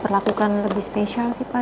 perlakukan lebih spesial sih pak